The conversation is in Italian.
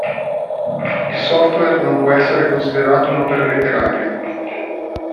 Il software non può essere considerato un'opera letteraria.